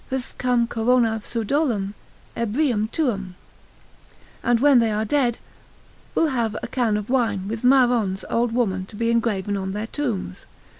Ps. Cum corona Pseudolum ebrium tuum—. And when they are dead, will have a can of wine with Maron's old woman to be engraven on their tombs.